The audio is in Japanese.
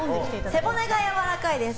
背骨がやわらかいです。